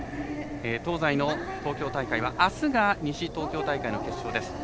東西の東京大会はあすが西東京大会の決勝です。